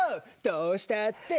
「どうしたって！